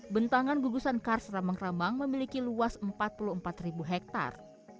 bentangan gugusan kars rambang rambang memiliki luas empat puluh empat hektar